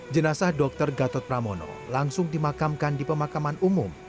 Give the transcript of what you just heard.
jenazah dr gatot pramono langsung dimakamkan di pemakaman umum